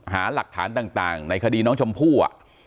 หาหลักฐานต่างในคดีน้องชมพู่